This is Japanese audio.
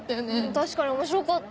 確かに面白かった。